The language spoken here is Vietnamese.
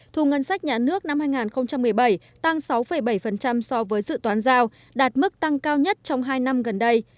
thu ngân sách nhà nước năm hai nghìn một mươi bảy tăng sáu bảy so với dự toán giao đạt mức tăng cao nhất trong hai năm gần đây